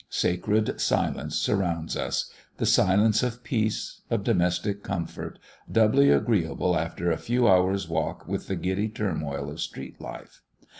Sacred silence surrounds us the silence of peace, of domestic comfort, doubly agreeable after a few hours' walk with the giddy turmoil of street life.